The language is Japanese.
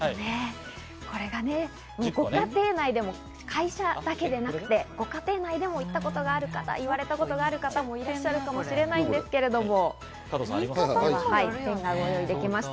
会社だけでなくて、ご家庭内でも言ったことがある方、言われたことがある方もいらっしゃるかもしれないんですけども。